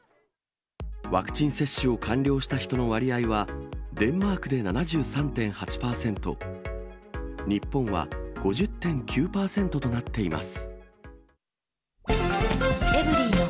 ワクチン接種を完了した人の割合は、デンマークで７３．８％、日本は５０．９％となっています。